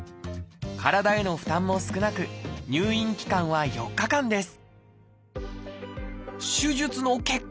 体への負担も少なく入院期間は４日間です。